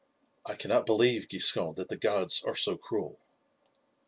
I cannot believe, Giscon, that the gods are so cruel.